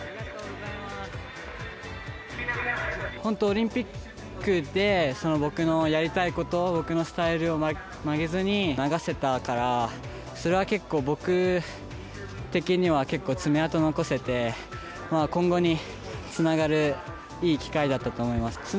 本当オリンピックで僕のやりたいこと僕のスタイルを曲げずに流せたからそれは、結構僕的には、けっこうつめ跡残せて今後につながるいい機会だったと思います。